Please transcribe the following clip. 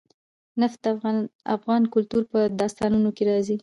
نفت د افغان کلتور په داستانونو کې راځي.